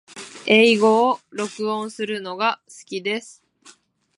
英語を録音するのが好きです